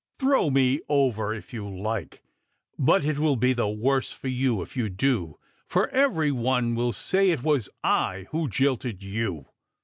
Throw me over, if you like; but it will be the worse for you if you do, for every one will say it was I who jilted you.